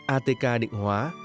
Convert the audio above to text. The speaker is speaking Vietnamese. atk định hóa